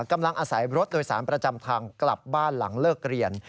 กำลังอาศัยรถโดยสารประจำทางกลับบ้านหลังเลิกเรียน